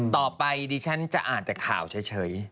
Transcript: ต่อไปดิฉันจะอ่านแต่ข่าวเฉย